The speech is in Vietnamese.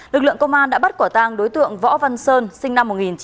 lực lượng công an đã bắt quả tang đối tượng võ văn sơn sinh năm một nghìn chín trăm tám mươi